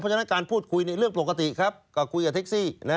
ฉะนั้นการพูดคุยเรื่องปกติครับก็คุยกับเท็กซี่